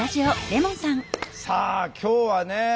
さあ今日はね